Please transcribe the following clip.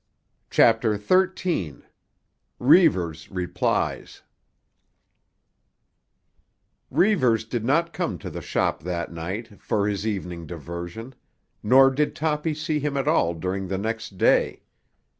CHAPTER XIII—REIVERS REPLIES Reivers did not come to the shop that night for his evening diversion, nor did Toppy see him at all during the next day.